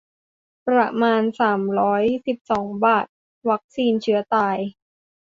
ประมาณ สามร้อยสิบสอง บาท วัคซีนเชื้อตาย